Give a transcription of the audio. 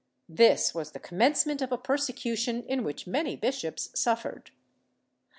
This was the commence ment of a persecution in which many bishops suffered.